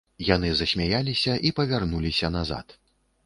Яны засмяяліся і павярнуліся назад.